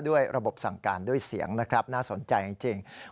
ด้วยระบบสั่งการด้วยเสียงนะครับน่าสนใจจริง